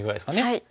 はい。